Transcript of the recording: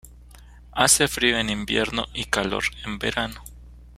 Hace frío en invierno y calor en verano.